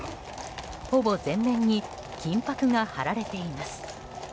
ほぼ全面に金箔が貼られています。